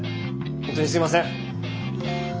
本当にすいません！